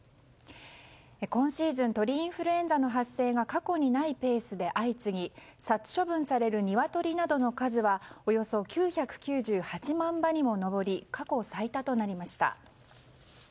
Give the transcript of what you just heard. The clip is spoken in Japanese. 今シーズンの鳥インフルエンザの発生が過去にないペースで相次ぎ殺処分されるニワトリなどの数はおよそ９９８万羽にも上り過去最多となりました。